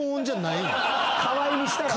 河合にしたらね。